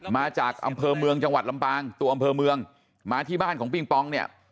มาจากอำเภอเมืองจังหวัดลำปางตัวอำเภอเมืองมาที่บ้านของปิงปองเนี่ย